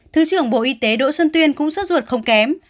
thứ trưởng bộ y tế đỗ xuân tuyên cũng suốt ruột không kém